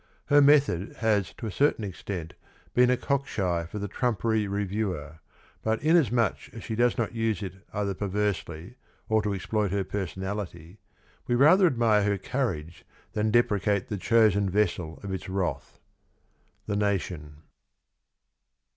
... Her method has to a certain extent been a cockshy for the trumpery reviewer, but inasmuch as she does not use it either perversely or to exploit her personality, we rather admire her courage than deprecate the chosen vessel of its wrath. — The Nation.